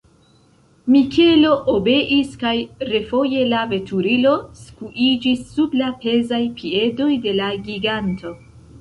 Mikelo obeis kaj refoje la veturilo skuiĝis sub la pezaj piedoj de la giganto.